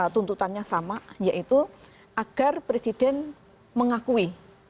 tuntutannya sama yaitu agar presiden mengakui